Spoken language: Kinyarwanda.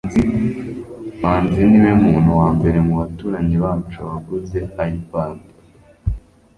manzi niwe muntu wa mbere mubaturanyi bacu waguze ipad